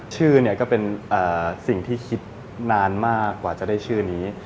ชื่อเนี่ยก็เป็นสิ่งที่คิดนานมากกว่าจะได้ชื่อนี้